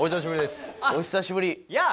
お久しぶりです。